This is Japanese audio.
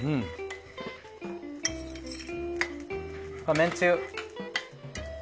めんつゆ。